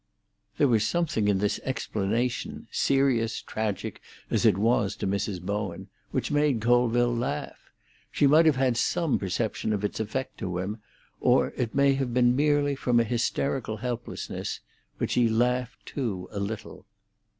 There was something in this explanation, serious, tragic, as it was to Mrs. Bowen, which made Colville laugh. She might have had some perception of its effect to him, or it may have been merely from a hysterical helplessness, but she laughed too a little.